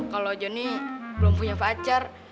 kalau johnny belum punya pacar